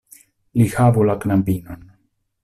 Li havu la knabinon."